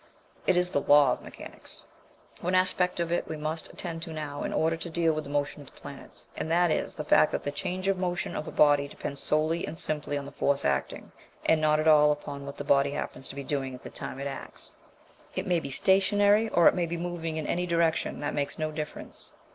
It is the law of mechanics. One aspect of it we must attend to now in order to deal with the motion of the planets, and that is the fact that the change of motion of a body depends solely and simply on the force acting, and not at all upon what the body happens to be doing at the time it acts. It may be stationary, or it may be moving in any direction; that makes no difference.